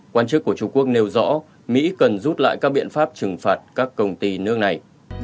quan chức của trung quốc nêu rõ mỹ cần rút lại các biện pháp trừng phạt các công ty nước này